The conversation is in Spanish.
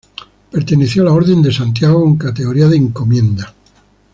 Perteneció a la Orden de Santiago con categoría de Encomienda.